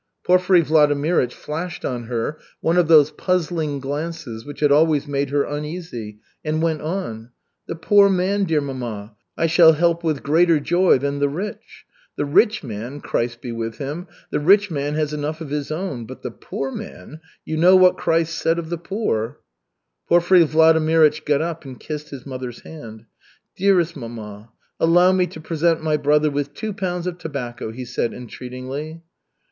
Porfiry Vladimirych flashed on her one of those puzzling glances which had always made her uneasy, and went on: "The poor man, dear mamma, I shall help with greater joy than the rich. The rich man, Christ be with him, the rich man has enough of his own. But the poor man you know what Christ said of the poor." Porfiry Vladimirych got up and kissed his mother's hand. "Dearest mamma, allow me to present my brother with two pounds of tobacco," he said entreatingly.